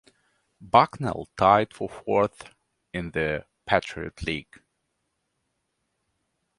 Bucknell tied for fourth in the Patriot League.